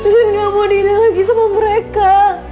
rin gak mau dihina lagi sama mereka